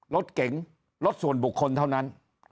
รถเก๋งรถส่วนบุคคลเท่านั้น